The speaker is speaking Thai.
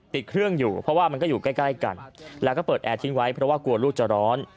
ติดเครื่องอยู่เพราะว่ามันก็อยู่ใกล้กันแล้วก็เปิดแอร์ทิ้งไว้เพราะว่ากลัวลูกจะร้อน